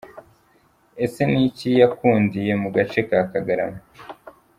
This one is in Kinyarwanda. Ese Niki yakundiye mu gace ka Kagarama ?.